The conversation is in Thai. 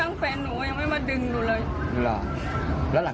แต่พี่กินดูซะพังที่โดนตอนนั้น